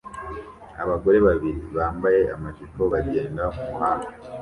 Abagore babiri bambaye amajipo bagenda kumuhanda